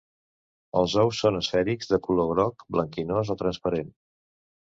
Els ous són esfèrics, de color groc blanquinós o transparents.